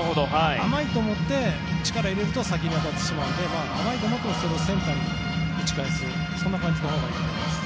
甘いと思って力を入れると先に当たってしまうので甘い球をセンターに打ち返す感じがいいと思います。